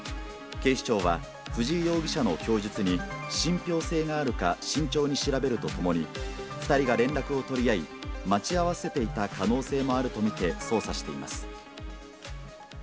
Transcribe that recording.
警視庁は、藤井容疑者の供述に信ぴょう性があるか慎重に調べるとともに、２人が連絡を取り合い、待ち合わせていた可能性もあると見て、捜査しています。